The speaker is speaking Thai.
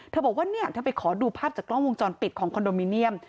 บอกว่าเนี่ยเธอไปขอดูภาพจากกล้องวงจรปิดของคอนโดมิเนียม